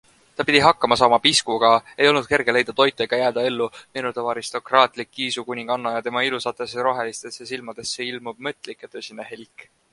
Ta pidi hakkama saama piskuga - ei olnud kerge leida toitu ega jääda ellu, meenutab aristokraatlik kiisukuninganna ja tema ilusatesse rohelistesse silmadesse ilmub mõtlik ja tõsine helk.